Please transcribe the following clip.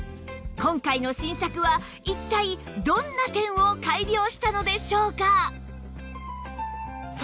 今回の新作は一体どんな点を改良したのでしょうか？